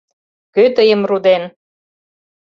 — Кӧ тыйым руден?